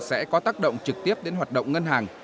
sẽ có tác động trực tiếp đến hoạt động ngân hàng